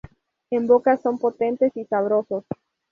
En boca son potentes y sabrosos.